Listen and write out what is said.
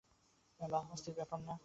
বাহ, অস্থির ব্যাপার না?